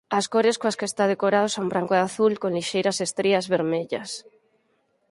As cores coas que está decorado son branco e azul con lixeiras estrías vermellas.